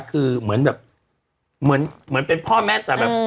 คือเหมือนแบบเหมือนเหมือนเป็นพ่อแม่นแต่แบบอืม